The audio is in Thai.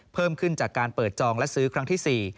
เพิ่มขึ้นจากการเปิดจองและซื้อครั้งที่๔